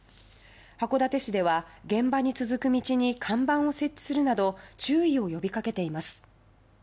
函館市では、現場に続く道に看板を設置するなど注意を呼びかけています。